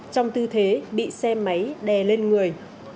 trong tư thế bị xe máy đè lên người